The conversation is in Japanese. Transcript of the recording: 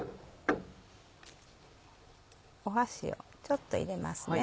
箸をちょっと入れます